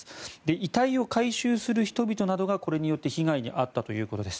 遺体を回収する人々がこれによって被害に遭ったということです。